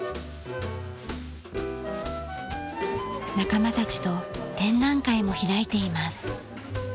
仲間たちと展覧会も開いています。